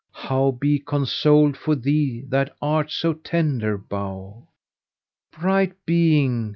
* How be consoled for thee that art so tender bough? Bright being!